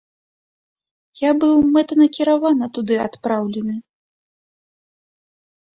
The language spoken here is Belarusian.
Я быў мэтанакіравана туды адпраўлены.